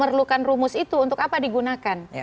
perlukan rumus itu untuk apa digunakan